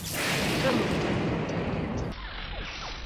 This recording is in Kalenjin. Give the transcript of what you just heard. Tomo kotariren tariet